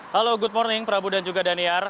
halo good morning prabu dan juga daniar